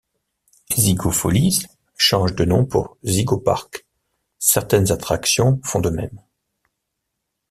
Zygofolis change de nom pour Zygo Park, certaines attractions font de même.